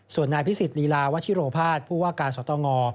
ส่วนนายพิสิทธิลีลาวัชิโรภาสผู้ว่าการสตง